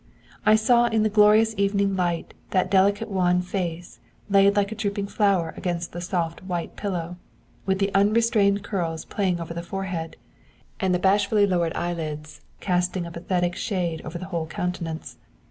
I saw in the glorious evening light that delicate wan face laid like a drooping flower against the soft white pillow, with the unrestrained curls playing over the forehead, and the bashfully lowered eyelids casting a pathetic shade over the whole countenance.